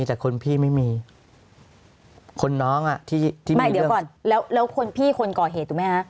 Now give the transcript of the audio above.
ที่มีเรื่องไม่เดี๋ยวก่อนแล้วคนพี่คนก่อเหตุรู้ไหมครับ